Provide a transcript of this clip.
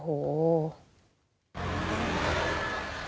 โอ้โห